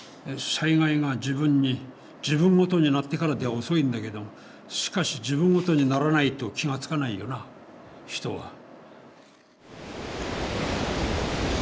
災害が自分ごとになってからでは遅いんだけどしかし自分ごとにならないと気が付かないよな人は。